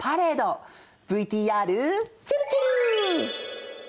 ＶＴＲちぇるちぇる！